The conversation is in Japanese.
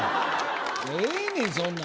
ええねん、そんなん。